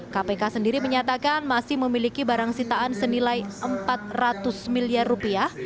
kpk sendiri menyatakan masih memiliki barang sitaan senilai empat ratus miliar rupiah